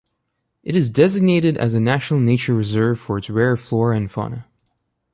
It is designated as a national nature reserve for its rare flora and fauna.